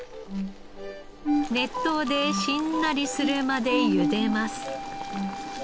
熱湯でしんなりするまでゆでます。